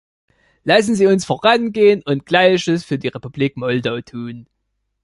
Lassen Sie uns vorangehen und Gleiches für die Republik Moldau tun.